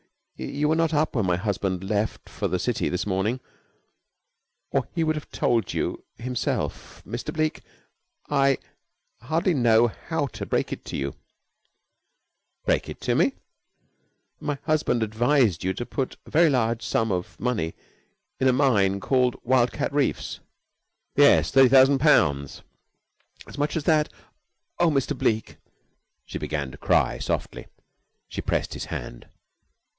"You were not up when my husband left for the city this morning, or he would have told you himself. Mr. Bleke, I hardly know how to break it to you." "Break it to me!" "My husband advised you to put a very large sum of money in a mine called Wildcat Reefs." "Yes. Thirty thousand pounds." "As much as that! Oh, Mr. Bleke!" She began to cry softly. She pressed his hand.